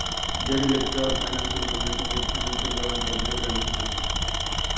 There he lectured finance in combination with financial law and public administration.